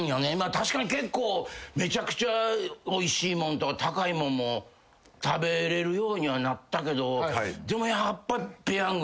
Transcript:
確かに結構めちゃくちゃおいしいもんと高いもんも食べれるようにはなったけどでもやっぱ。